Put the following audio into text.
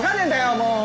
もう。